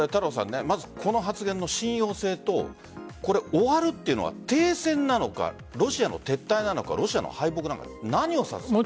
まず、この発言の信用性と終わるというのは、停戦なのかロシアの撤退なのか、敗北なのか何を指すんですか？